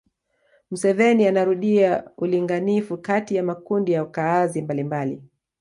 Museveni anarudia ulinganifu kati ya makundi ya wakaazi mbalimbali